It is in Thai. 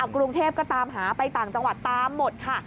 กรุงเทพก็ตามหาไปต่างจังหวัดตามหมดค่ะ